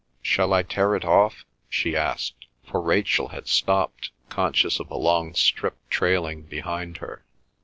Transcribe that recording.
—Shall I tear it off?" she asked, for Rachel had stopped, conscious of a long strip trailing behind her.